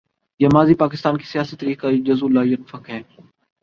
یہ ماضی پاکستان کی سیاسی تاریخ کا جزو لا ینفک ہے۔